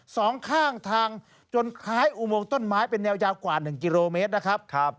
สองข้างทางจนขายอุโมงต้นไม้เป็นแนวยาวกว่า๑กิโลเมตรนะครับ